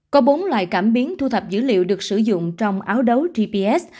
có bốn loại cảm biến thu thập dữ liệu được sử dụng trong áo đấu gps